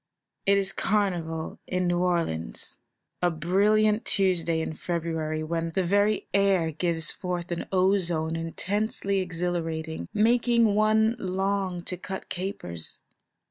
It is Carnival in New Orleans; a brilliant Tuesday in February, when the very air gives forth an ozone intensely exhilarating, making one long to cut capers.